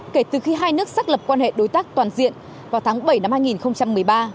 kể từ khi hai nước xác lập quan hệ đối tác toàn diện vào tháng bảy năm hai nghìn một mươi ba